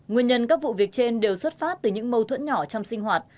nguyên nhân các vụ việc trên đều xuất phát từ những mâu thuẫn nhỏ trong sinh hoạt